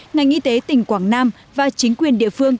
ngành y tế tỉnh quảng nam và chính quyền địa phương